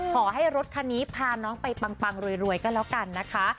ขอให้รถคันนี้พาน้องไปปังรวยก็แล้วกันนะคะ